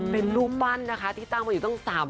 เป็นรูปปั้นที่ตั้งมาอยู่ตั้ง๓๐๐กว่าปี